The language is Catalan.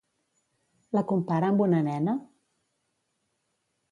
La compara amb una nena?